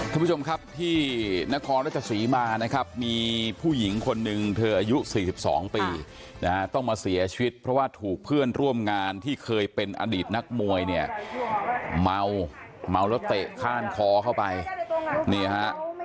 ท่านผู้ชมครับที่นครรัชศรีมานะครับมีผู้หญิงคนหนึ่งเธออายุ๔๒ปีนะฮะต้องมาเสียชีวิตเพราะว่าถูกเพื่อนร่วมงานที่เคยเป็นอดีตนักมวยเนี่ยเมาเมาแล้วเตะข้านคอเข้าไปนี่ฮะ